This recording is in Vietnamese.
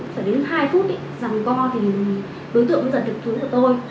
sẽ đến hai phút rằm co thì đối tượng giật được túi của tôi